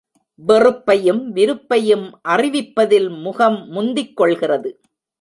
வெறுப்பையும், விருப்பையும் அறிவிப்பதில் முகம் முந்திக்கொள்கிறது.